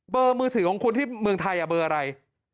มือถือของคุณที่เมืองไทยเบอร์อะไร